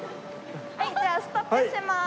じゃあストップします。